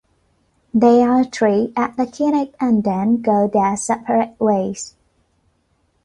They are treated at a clinic, and then go their separate ways.